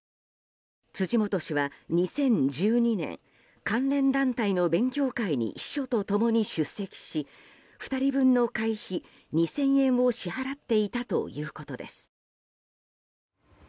辻元氏は２０１２年関連団体の勉強会に秘書と共に出席し２人分の会費２０００円を支払っていたということです。